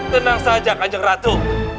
tenang saja kanjeng ratu